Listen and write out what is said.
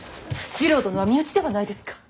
次郎殿は身内ではないですか。